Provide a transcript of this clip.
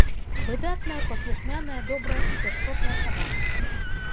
Выдатная паслухмяная, добрая і пяшчотная сабака.